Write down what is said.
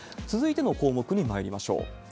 続いての項目にまいりましょう。